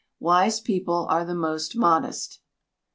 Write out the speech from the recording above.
[WISE PEOPLE ARE THE MOST MODEST.